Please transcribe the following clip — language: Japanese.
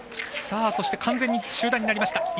完全に集団になりました。